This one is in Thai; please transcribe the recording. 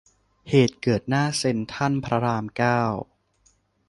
เหตุเกิดหน้าเซ็นทรัลพระรามเก้า